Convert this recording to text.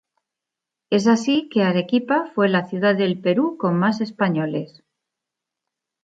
Es así que Arequipa fue la ciudad del Perú con más españoles.